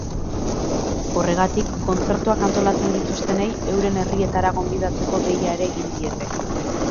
Horregatik, kontzertuak antolatzen dituztenei euren herrietara gonbidatzeko deia ere egin diete.